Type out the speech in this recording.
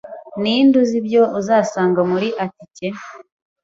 Ninde uzi ibyo uzasanga muri atike?